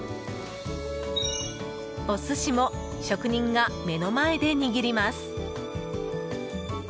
お寿司も職人が目の前で握ります。